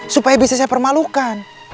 supaya bisa saya permalukan